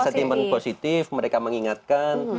sentimen positif mereka mengingatkan